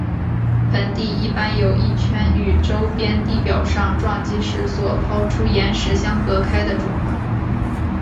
盆地一般有一圈与周边地表上撞击时所抛出岩石相隔开的主环。